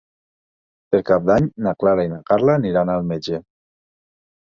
Per Cap d'Any na Clara i na Carla aniran al metge.